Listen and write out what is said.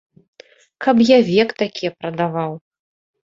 Каб я век такія прадаваў!